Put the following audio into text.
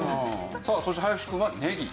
さあそして林くんはねぎ。